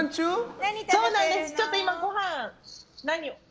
ちょっと今ごはんを。